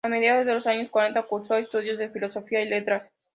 A mediados de los años cuarenta cursó estudios de Filosofía y Letras.